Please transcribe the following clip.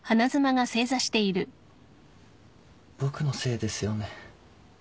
僕のせいですよね。